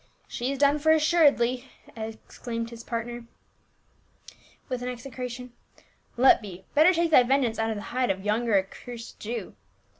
"She's done for assuredly," exclaimed his partner 32G J>A UL. with an execration. " Let be ; belter take thy ven geance out of the hide of yonder accursed Jew."